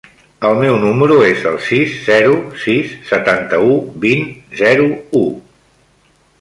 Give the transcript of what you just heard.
El meu número es el sis, zero, sis, setanta-u, vint, zero, u.